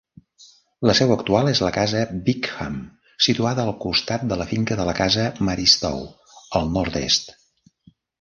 La seu actual és la Casa Bickham, situada al costat de la finca de la Casa Maristow, al nord-est.